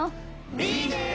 Ｂです！